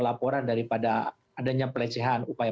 laporan daripada adanya pelecehan upaya